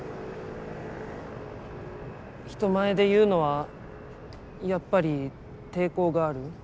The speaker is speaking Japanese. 人前で言うのはやっぱり抵抗がある？